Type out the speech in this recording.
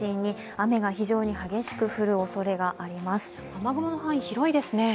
雨雲の範囲、広いですね。